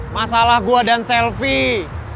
masalah gue dan selfie